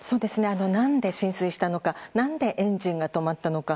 何で浸水したのか何でエンジンが止まったのか。